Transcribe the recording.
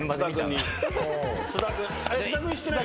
菅田君知ってない？